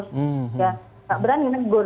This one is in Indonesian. nggak berani negur